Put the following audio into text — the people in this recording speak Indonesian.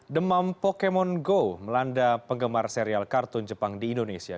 demam pokemon go melanda penggemar serial kartun jepang di indonesia